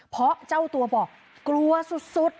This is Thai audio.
เพราะเจ้าตัวบอกกลัวสุด